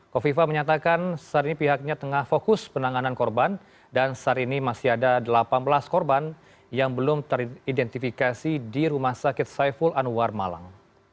kofifa menyatakan saat ini pihaknya tengah fokus penanganan korban dan saat ini masih ada delapan belas korban yang belum teridentifikasi di rumah sakit saiful anwar malang